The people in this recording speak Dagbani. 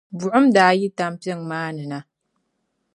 buɣim daa yi tampiŋ maa ni na.